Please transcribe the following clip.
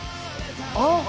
あっ！